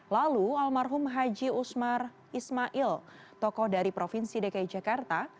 lalu almarhum haji usmar ismail tokoh dari provinsi dki jakarta